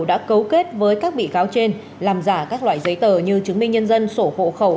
đã cấu kết với các bị cáo trên làm giả các loại giấy tờ như chứng minh nhân dân sổ hộ khẩu